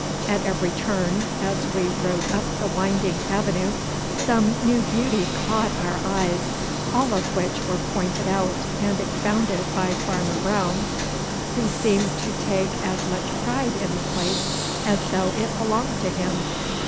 At every turn as we rode up the winding avenue some new beauty caught our eyes, all of which were pointed out and expounded by Farmer Brown, who seemed to take as much pride in the place as though it belonged to him.